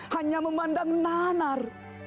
hanya memandang nanar